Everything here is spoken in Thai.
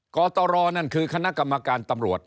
กตรนั่นคือคณะกรรมการตำรวจ